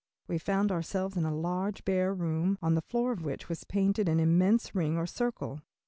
we found ourselves in a large, bare room, on the floor of which was painted an immense ring or circle.